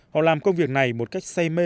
họ làm công việc này một cách say mê